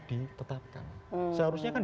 ditetapkan seharusnya kan